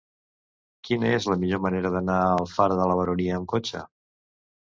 Quina és la millor manera d'anar a Alfara de la Baronia amb cotxe?